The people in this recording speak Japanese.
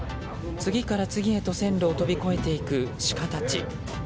次から次へと線路を飛び越えていくシカたち。